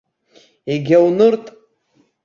Егьа унырт.